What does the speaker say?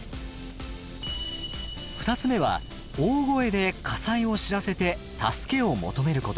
２つ目は大声で火災を知らせて助けを求めること！